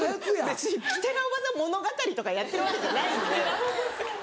別に「ステラおばさん物語」とかやってるわけじゃないんで。